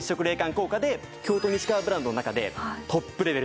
効果で京都西川ブランドの中でトップレベルのひんやり感